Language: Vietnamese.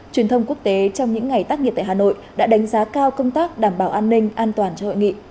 truyền thông quốc tế trong những ngày tác nghiệp tại hà nội đã đánh giá cao công tác đảm bảo an ninh an toàn cho hội nghị